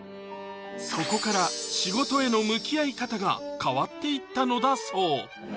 そこから仕事への向き合い方が変わっていったのだそう